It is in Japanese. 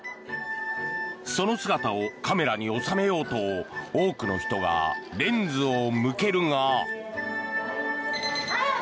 その姿をカメラに収めようと多くの人がレンズを向けるが。